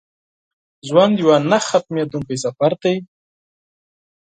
ژوند یو نه ختمېدونکی سفر دی.